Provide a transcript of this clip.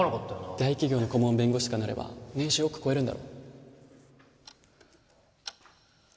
大企業の顧問弁護とかになれば年収億超えるんだろ？